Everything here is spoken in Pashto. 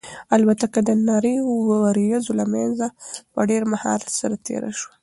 الوتکه د نريو وريځو له منځه په ډېر مهارت سره تېره شوه.